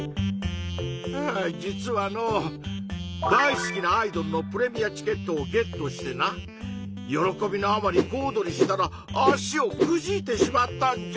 はぁ実はのう大好きなアイドルのプレミアチケットをゲットしてな喜びのあまりこおどりしたら足をくじいてしまったんじゃ！